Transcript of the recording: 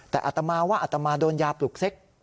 แต่อัตมาว่าอัตมาโดนยาปลุกเซ็ก